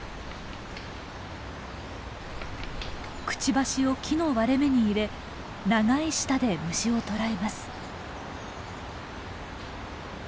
くちばしを木の割れ目に入れ長い舌で虫を捕らえます。